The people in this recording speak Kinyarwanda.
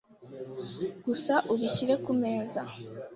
Gusa ubishyire kumeza .